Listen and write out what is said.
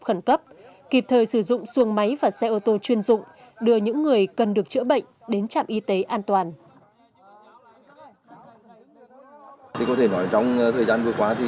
khẩn cấp kịp thời sử dụng xuồng máy và xe ô tô chuyên dụng đưa những người cần được chữa bệnh đến trạm y tế an toàn